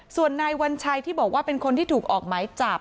ส่วนนายวัญชัยที่บอกว่าเป็นคนที่ถูกออกหมายจับ